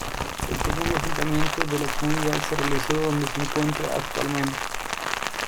El segundo asentamiento de la comunidad se realizó donde se encuentra actualmente.